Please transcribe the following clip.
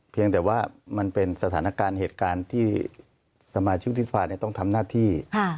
เพียงแต่ว่ามันเป็นสถานการณ์เหตุการณ์ที่สมาชิกทิศภาต้องทำหน้าที่